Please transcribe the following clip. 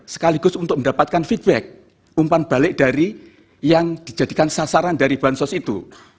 sekaligus untuk mendapatkan feedback umpan balik dari yang dijadikan sasaran dari bansos itu